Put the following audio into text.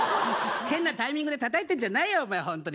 変なタイミングでたたいてんじゃないよお前ホントに。